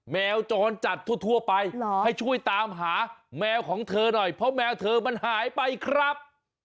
แมวจรจัดทั่วไปให้ช่วยตามหาแมวของเธอหน่อยเพราะแมวเธอมันหายไปครับ